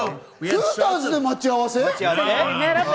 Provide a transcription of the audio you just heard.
フーターズで待ち合わせ？